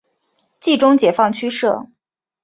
冀中解放区设。